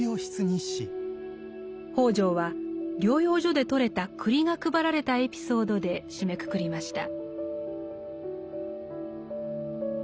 北條は療養所で採れた栗が配られたエピソードで締めくくりました。